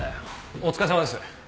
お疲れさまです。